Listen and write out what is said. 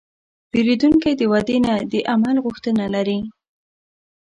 پیرودونکی د وعدې نه، د عمل غوښتنه لري.